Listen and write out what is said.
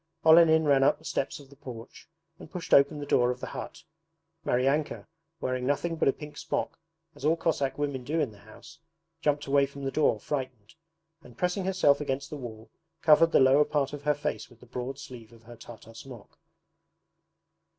Olenin ran up the steps of the porch and pushed open the door of the hut. Maryanka, wearing nothing but a pink smock, as all Cossack women do in the house, jumped away from the door, frightened, and pressing herself against the wall covered the lower part of her face with the broad sleeve of her Tartar smock.